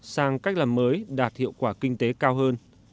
sang cách làm mới đạt hiệu quả kinh tế cao hơn